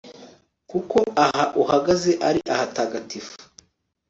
kuko aha uhagaze ari ahatagatifu